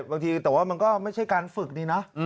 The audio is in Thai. บางทีแต่ว่ามันก็ไม่ใช่การฝึกดีนะ